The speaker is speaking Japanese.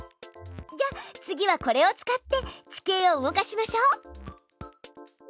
じゃあ次はこれを使って地形を動かしましょう。